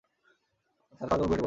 তার খালাতো বোন বুয়েটে পড়ে।